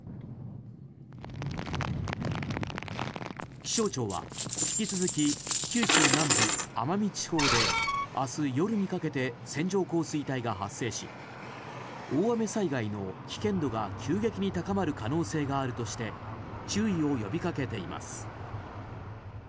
気象庁は引き続き九州南部、奄美地方で明日夜にかけて線状降水帯が発生し大雨災害の危険度が急激に高まる可能性があるとして注意を呼びかけています。